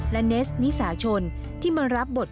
และเนสนิสาชนที่มารับบท